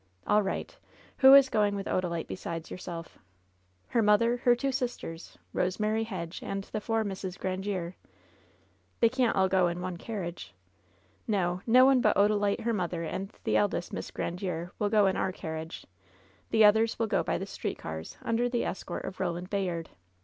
"All right. Who is going with Odalite besides your self?" "Her mother, her two sisters, Kosemary Hedge, and the four Misses Grandiere. "They can't all go in one carriage." "No; no one but Odalite, her mother and the eldest Miss Grandiere will go in our carriage ; the others will go by the street cars, under the escort of Roland Bayard.